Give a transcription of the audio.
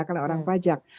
kalau orang pajak